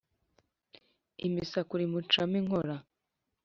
Imisakura imucamo inkora